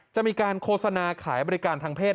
จะมีการโฆษณาขายบริการทางเพศ